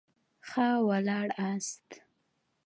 ښه ولاړاست.